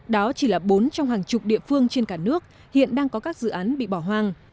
đó chỉ là bốn trong hàng chục địa phương trên cả nước hiện đang có các dự án bị bỏ hoang